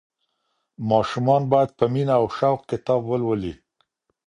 ماشومان باید په مینه او شوق کتاب ولولي.